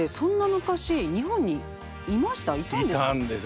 いたんです。